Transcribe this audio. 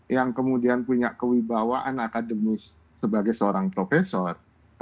yang kemudian punya kewibawaan akademis sebagai seorang profesor